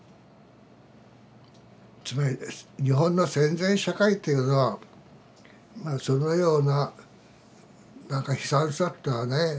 つまり日本の戦前社会というのはまあそのような何か悲惨さってのはね